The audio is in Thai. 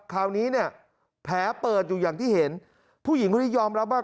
คราวนี้เนี่ยแผลเปิดอยู่อย่างที่เห็นผู้หญิงคนนี้ยอมรับว่า